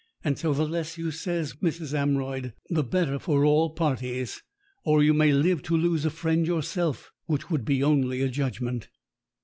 And so the less you says, Mrs. Amroyd, the better for all parties, or you may 95 live to lose a friend yourself, which would be only a judgment."